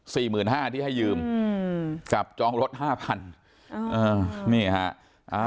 สี่หมื่นห้าที่ให้ยืมกับจองรถห้าพันนี่ฮะ